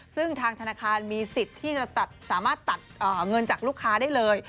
ซึ่งทางธนาคารมีสิทธิ์ที่จะสามารถตัดเงินจากลูกค้าได้เลย